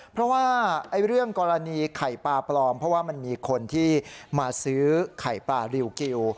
เพราะว่าเรื่องกรณีไข่ปลาปลอมเพราะว่ามันมีคนที่มาซื้อไข่ปลาริวกิว